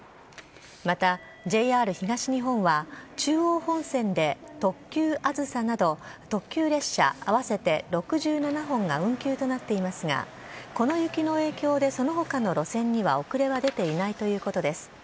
また、ＪＲ東日本は中央本線で特急あずさなど特急列車合わせて６７本が運休となっていますがこの雪の影響でその他の路線には遅れは出ていないということです。